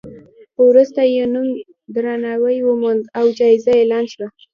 خو وروسته یې نوم درناوی وموند او جایزه اعلان شوه.